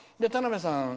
田邊さん